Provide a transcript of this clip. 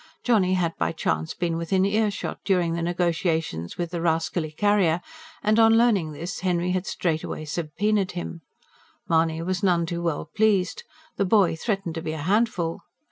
Johnny had by chance been within earshot during the negotiations with the rascally carrier, and on learning this, Henry had straightway subpoenaed him. Mahony was none too well pleased: the boy threatened to be a handful.